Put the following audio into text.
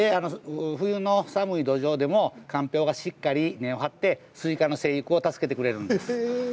冬の寒い土壌でもかんぴょうがしっかり根を張ってスイカの生育を助けてくれるんです。